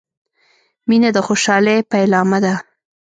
• مینه د خوشحالۍ پیلامه ده.